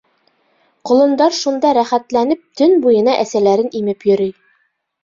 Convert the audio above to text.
Ҡолондар шунда рәхәтләнеп төн буйына әсәләрен имеп йөрөй.